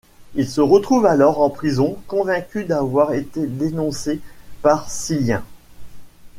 Il se retrouve alors en prison, convaincu d'avoir été dénoncé par Silien.